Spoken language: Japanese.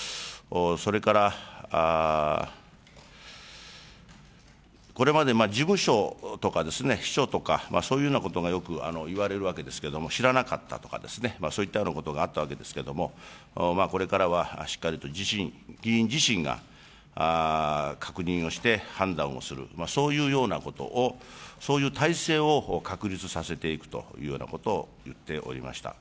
それから、これまで事務所とか秘書とか、そういうようなことがよく言われるわけですけれども、知らなかったとか、そういったようなことがあったわけですけれども、これからはしっかりと自身、議員自身が確認をして、判断をする、そういうようなことを、そういう体制を確立させていくというようなことを言っておりました。